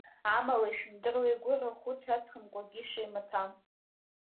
Амала, ижәымдыруеи, агәыр арахәыц аҵхымкәа акгьы ишмаҭәам?